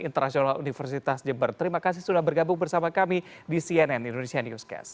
internasional universitas jember terima kasih sudah bergabung bersama kami di cnn indonesia newscast